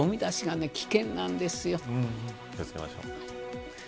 気を付けましょう。